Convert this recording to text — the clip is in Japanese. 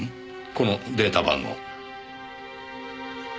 このデータ番号。